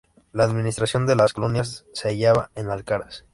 La administración de las colonias se hallaba en Alcaraz.